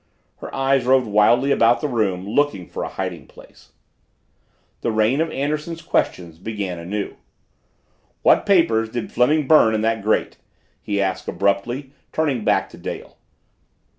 Her eyes roved wildly about the room, looking for a hiding place. The rain of Anderson's questions began anew. "What papers did Fleming burn in that grate?" he asked abruptly, turning back to Dale.